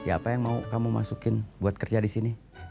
siapa yang mau kamu masukin buat kerja di sini